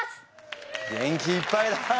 元気いっぱいだな。